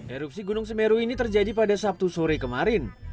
erupsi gunung semeru ini terjadi pada sabtu sore kemarin